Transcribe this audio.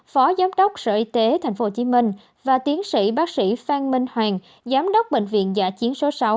phó giám đốc sở y tế tp hcm và tiến sĩ bác sĩ phan minh hoàng giám đốc bệnh viện giả chiến số sáu